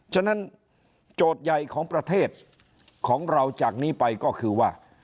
ฉะนั้นโจทย์ใหญ่ของประเทศของเราจากนี้ไปก็คือว่า